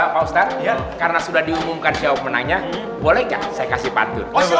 pak ustaz karena sudah diumumkan siapa menanya boleh nggak saya kasih pantun